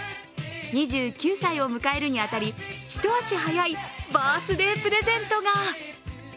２９歳を迎えるに当たり一足早いバースデープレゼントが。